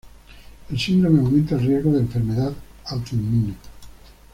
El síndrome aumenta el riesgo de enfermedad autoinmune.